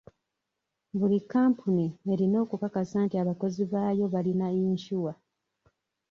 Buli kampuni erina okukakasa nti abakozi baayo bayina yinsuwa.